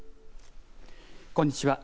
こんにちは。